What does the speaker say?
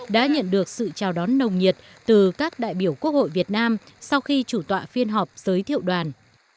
đã nhận được sự chào đón nồng nhiệt từ các đại biểu quốc hội việt nam sau khi chủ tọa phiên họp giới thiệu đoàn